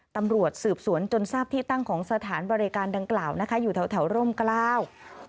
ตำรวจสืบสวนจนทราบที่ตั้งของสถานบริการดังกล่าวนะคะอยู่แถวร่มกล้า